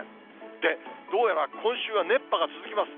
で、どうやら今週は熱波が続きます。